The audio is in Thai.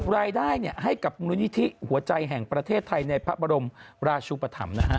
รายได้ให้กับมูลนิธิหัวใจแห่งประเทศไทยในพระบรมราชุปธรรมนะฮะ